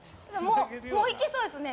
もういきそうですよね。